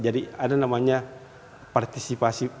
jadi ada namanya partisipasi